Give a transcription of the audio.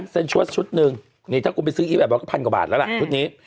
แซนชัวร์ส์ชุด๑นี่ถ้าคุณไปซื้ออี๊บแบบก็พันกว่าบาทแล้วล่ะชุดนี้